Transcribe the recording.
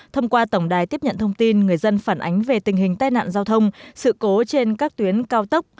thông qua tổng đài tiếp nhận thông tin người dân phản ánh về tình hình tai nạn giao thông sự cố trên các tuyến cao tốc